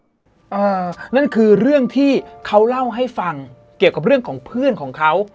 นั่นคือเรื่องที่เขาเล่าให้ฟังเกี่ยวกับเรื่องของเพื่อนของเขา